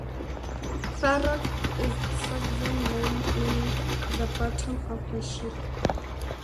Thurrock is a Saxon name meaning "the bottom of a ship".